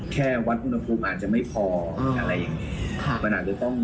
แค่วัดอุณหภูมิอาจจะไม่พออะไรอย่างนั้น